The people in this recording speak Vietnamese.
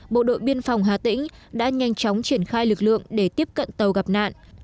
bộ đội biên phòng hà tĩnh đã nhanh chóng triển khai lực lượng để tiếp cận tàu gặp nạn